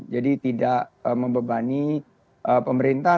jadi tidak membebani pemerintah